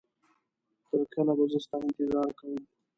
تر کله به زه ستا انتظار کومه